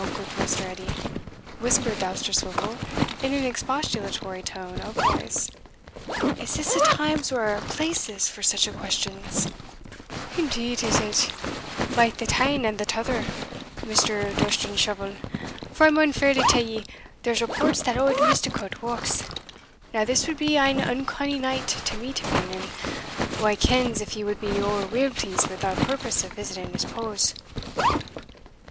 "Now, goot Mr. Edie," whispered Dousterswivel, in an expostulatory tone of voice, "is this a times or a places for such a questions?" "Indeed is it, baith the tane and the t'other, Mr. Dustanshovel; for I maun fairly tell ye, there's reports that auld Misticot walks. Now this wad be an uncanny night to meet him in, and wha kens if he wad be ower weel pleased wi' our purpose of visiting his pose?"